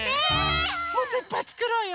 もっといっぱいつくろうよ。